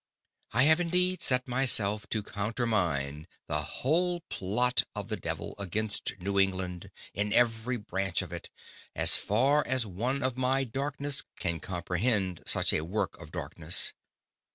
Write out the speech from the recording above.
I have indeed set myself to countermine the whole PLOT of the Devil, against New England, in every Branch of it, as far as one of my darkness, can comprehend such a Work of Darkness.